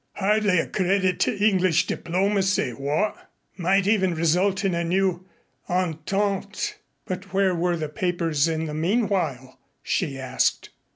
Hardly a credit to English diplomacy. What? Might even result in a new entente." "But where were the papers in the meanwhile?" she asked.